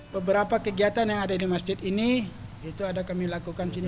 beberapa kegiatan yang ada di masjid ini itu ada kami lakukan di sini